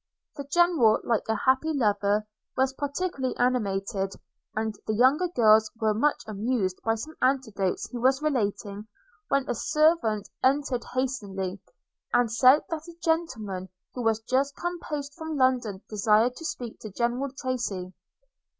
The General, like a happy lover, was particularly animated; and the younger girls were much amused by some anecdotes he was relating, when a servant entered hastily, and said that a gentleman who was just come post from London desired to speak to General Tracy.